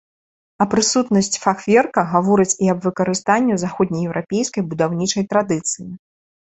А прысутнасць фахверка гаворыць і аб выкарыстанні заходнееўрапейскай будаўнічай традыцыі.